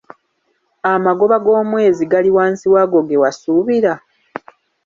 Amagoba g’omwezi gali wansi waago ge wasuubira?